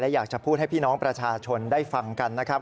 อยากจะพูดให้พี่น้องประชาชนได้ฟังกันนะครับ